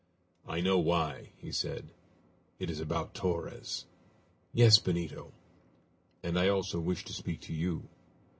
"I know why," he said; "it is about Torres." "Yes, Benito." "And I also wish to speak to you."